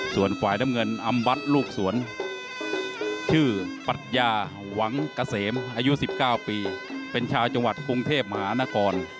ส่วนฝ่ายน้ำเงินอำวัดลูกสวนชื่อปรัชญาหวังเกษมอายุ๑๙ปีเป็นชาวจังหวัดกรุงเทพมหานคร